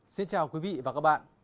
xin chào quý vị và các bạn